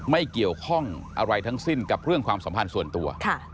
ไม่เกี่ยวข้องอะไรทั้งสิ้นกับเรื่องความสัมพันธ์ส่วนตัว